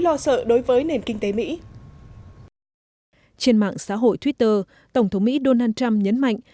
lo sợ đối với nền kinh tế mỹ trên mạng xã hội twitter tổng thống mỹ donald trump nhấn mạnh